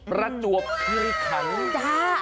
ประจวบเครียดคันจ้ะ